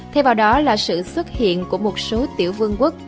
thay vào đó là sự xuất hiện của một số tiểu vương quốc